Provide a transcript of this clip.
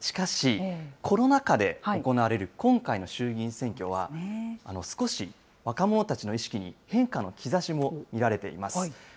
しかし、コロナ禍で行われる今回の衆議院選挙は、少し若者たちの意識に変化の兆しも見られています。